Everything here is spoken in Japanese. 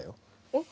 えっ？